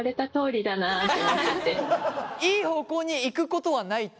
いい方向にいくことはないって